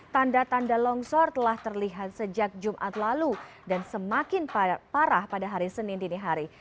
tanda tanda longsor telah terlihat sejak jumat lalu dan semakin parah pada hari senin dini hari